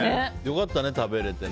良かったね、食べられて。